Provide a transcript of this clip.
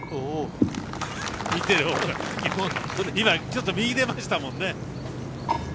ちょっと今、右出ましたもんね。